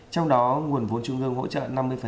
trong đó nguồn vốn trung ương hỗ trợ năm mươi